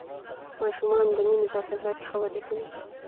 ماشومان د مینې په فضا کې ښه وده کوي